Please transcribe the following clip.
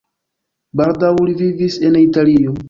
Baldaŭ li vivis en Italio.